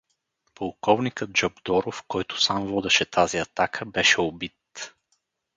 Полковникът Жабдоров, който сам водеше тази атака, беше убит.